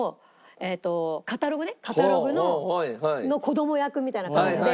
カタログねカタログの子供役みたいな感じで。